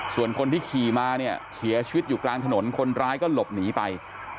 ส่วนคนที่ขี่มาเนี่ยเสียชีวิตอยู่กลางถนนคนร้ายก็หลบหนีไป